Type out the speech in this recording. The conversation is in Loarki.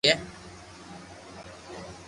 جو امو نو فائدو ھوئي